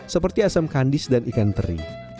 seperti asam kandis dan ikan teri